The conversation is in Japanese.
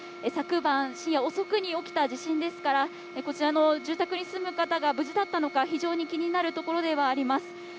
昨晩、深夜遅くに起きた地震ですから、こちらの住宅に住む方が無事だったのか、非常に気になるところではあります。